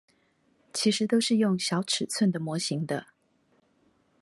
其實都是用小尺寸的模型的